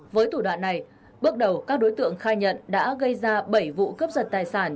với thủ đoạn này bước đầu các đối tượng khai nhận đã gây ra bảy vụ cướp giật tài sản